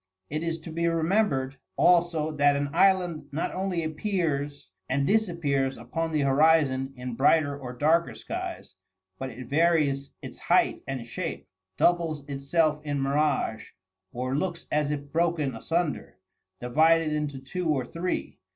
It is to be remembered also that an island not only appears and disappears upon the horizon in brighter or darker skies, but it varies its height and shape, doubles itself in mirage, or looks as if broken asunder, divided into two or three.